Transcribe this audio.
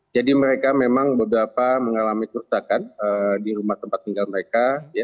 jadi mereka memang beberapa mengalami kerusakan di rumah tempat tinggal mereka